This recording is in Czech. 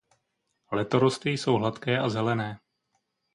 Letorosty jsou hladké a zelené.